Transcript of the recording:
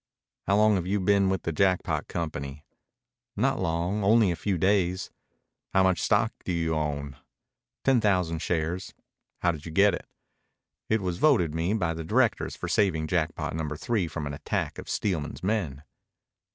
"How long have you been with the Jackpot Company?" "Not long. Only a few days." "How much stock do you own?" "Ten thousand shares." "How did you get it?" "It was voted me by the directors for saving Jackpot Number Three from an attack of Steelman's men."